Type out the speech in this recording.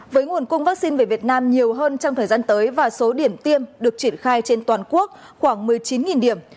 với nguồn cung vaccine về việt nam nhiều hơn trong thời gian tới và số điểm tiêm được triển khai trên toàn quốc khoảng một mươi chín điểm